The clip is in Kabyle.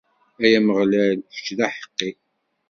Ay Ameɣlal, kečč d aḥeqqi!